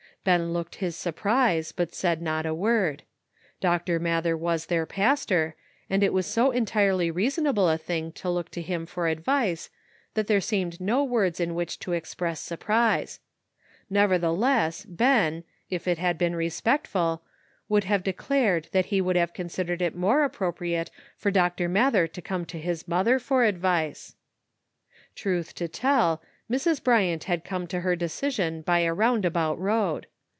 Ben looked his surprise, but said not a word. Dr. Mather was their pastor, and it was so en tirely reasonable a thing to look to him for ad vice that there seemed no wdtds in which to express surprise; nevertheless Ben, if it had been respectful, would have declared that he would have considered it more appropriate for Dr. Mather to come to his mother for advice. THE UNEXPECTED HAPPENS. 193 Truth to tell, Mrs. Bryant had come to her decision by a roundabout road.